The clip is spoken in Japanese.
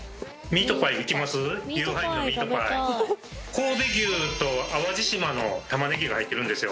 神戸牛と淡路島の玉ねぎが入ってるんですよ。